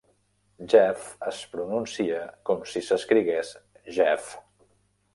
"Geff" es pronuncia com si s'escrigués "Jeff".